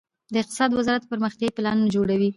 د اقتصاد وزارت پرمختیايي پلانونه جوړوي